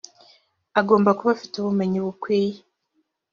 agomba kuba afite ubumenyi bukwiye